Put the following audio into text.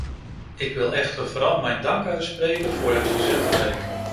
Ik wil echter vooral mijn dank uitspreken voor het verzette werk.